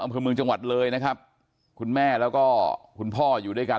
อำเภอเมืองจังหวัดเลยนะครับคุณแม่แล้วก็คุณพ่ออยู่ด้วยกัน